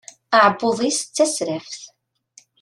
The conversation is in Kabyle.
Aɛebbuḍ-is d tasraft.